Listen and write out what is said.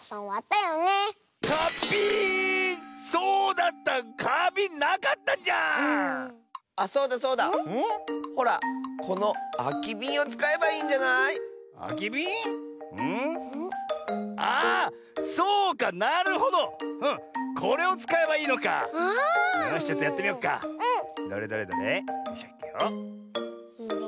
よしちょっとやってみよっか。